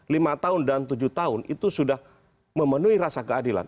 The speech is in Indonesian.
lima tahun dan tujuh tahun itu sudah memenuhi rasa keadilan